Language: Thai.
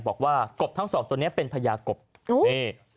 กบทั้งสองตัวนี้เป็นพญากบนี่